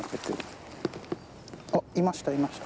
あいましたいました。